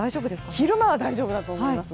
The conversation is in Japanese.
昼間は大丈夫だと思います。